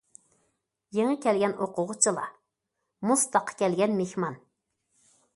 يېڭى كەلگەن ئوقۇغۇچىلار- مۇز تاغقا كەلگەن مېھمان.